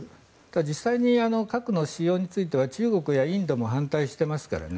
実際に核の使用については中国やインドも反対していますからね。